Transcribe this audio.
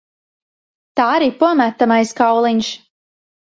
Tā ripo metamais kauliņš.